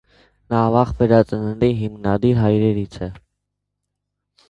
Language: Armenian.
Նա վաղ վերածննդի հիմնադիր հայրերից է։